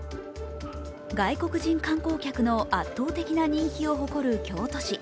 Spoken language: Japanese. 外国人観光客の圧倒的な人気を誇る京都市。